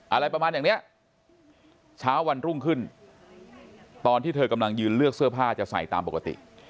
อะไรประมาณอย่างเนี้ยเช้าวันรุ่งขึ้นตอนที่เธอกำลังยืนเลือกเสื้อผ้าจะใส่ตามปกติ